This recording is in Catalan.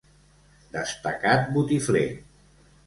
Destacat botifler.